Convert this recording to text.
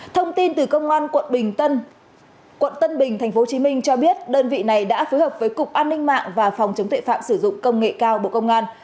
thông tin từ công an quận tân bình tp hcm cho biết đơn vị này đã phối hợp với cục an ninh mạng và phòng chống tệ phạm sử dụng công nghệ cao bộ công an